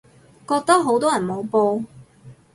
覺得好多人冇報